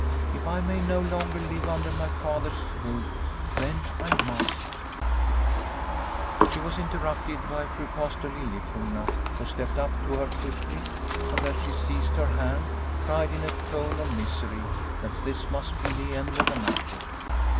If I may no longer live under my father's roof then I must .." 2 32 Liliecrona's Home She was interrupted by Fru Pastor Liliecrona, who stepped up to her quickly, and, as she seized her hand, cried in a tone of misery that this must be the end of the matter.